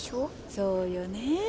そうよねえ